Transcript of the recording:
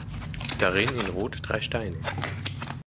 Darin in Rot drei Steine.